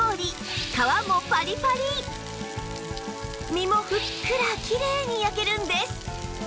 身もふっくらきれいに焼けるんです